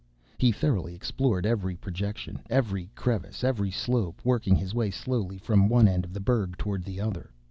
He thoroughly explored every projection, every crevice, every slope, working his way slowly from one end of the 'berg toward the other.